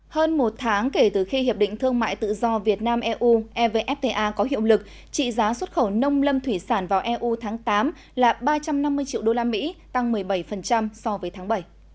hơn một tháng kể từ khi hiệp định thương mại tự do việt nam eu evfta có hiệu lực trị giá xuất khẩu nông lâm thủy sản vào eu tháng tám là ba trăm năm mươi triệu usd tăng một mươi bảy so với tháng bảy